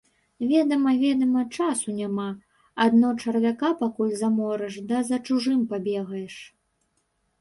Ведама, ведама, часу няма, адно чарвяка пакуль заморыш да за чужымі пабегаеш.